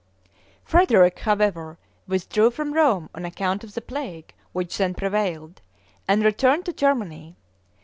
Frederick, however, withdrew from Rome on account of the plague which then prevailed, and returned to Germany.